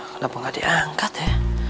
kenapa nggak diangkat ya